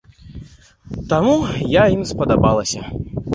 Таму я ім спадабалася.